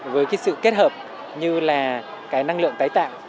với cái sự kết hợp như là cái năng lượng tái tạo